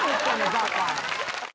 バカ。